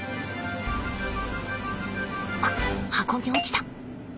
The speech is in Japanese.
あっ箱に落ちた。